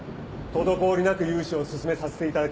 滞りなく融資を進めさせて頂きます。